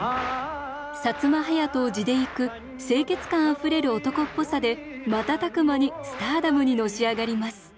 薩摩隼人を地で行く清潔感あふれる男っぽさで瞬く間にスターダムにのし上がります。